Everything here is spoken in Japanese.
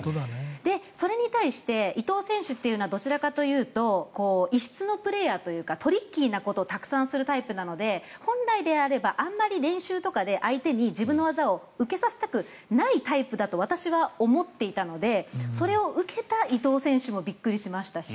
それに対して伊藤選手というのはどちらかというと異質のプレーヤーというかトリッキーなことをたくさんするタイプなので本来であればあんまり練習とかで自分の技を受けさせたくないタイプだと私は思っていたのでそれを受けた伊藤選手もびっくりしましたし